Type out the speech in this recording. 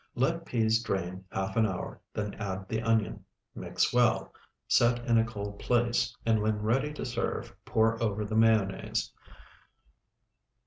Let peas drain half an hour, then add the onion. Mix well. Set in a cold place, and when ready to serve pour over the mayonnaise.